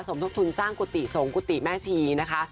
สมทบทุนสร้างกุฏิสงกุฏิแม่ชีนะคะ